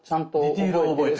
ディテールを覚えてる。